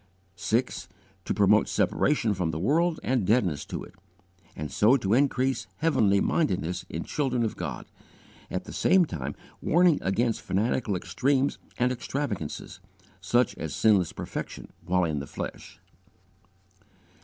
6. To promote separation from the world and deadness to it, and so to increase heavenly mindedness in children of God; at the same time warning against fanatical extremes and extravagances, such as sinless perfection while in the flesh.